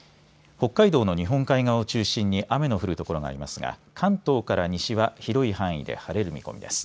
北海道の日本海側を中心に雨の降る所がありますが関東から西は広い範囲で晴れる見込みです。